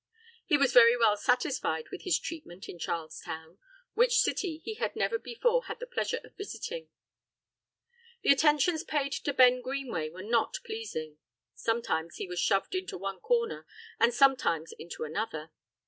He was very well satisfied with his treatment in Charles Town, which city he had never before had the pleasure of visiting. The attentions paid to Ben Greenway were not pleasing; sometimes he was shoved into one corner and sometimes into another.